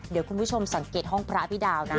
เดี๋ยวคุณผู้ชมสังเกตห้องพระพี่ดาวนะ